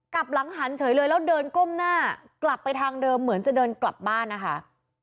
กลับหลังหันเฉยเลยแล้วเดินก้มหน้ากลับไปทางเดิมเหมือนจะเดินกลับบ้านนะคะ